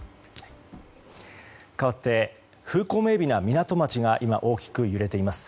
かわって風光明媚な港町が今大きく揺れています。